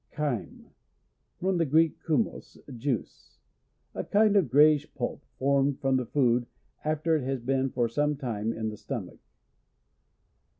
Chyme. — From the Greek, chumos, juice. A kind of grayish pulp, formed from the f>od after it has been for some time in the stomach.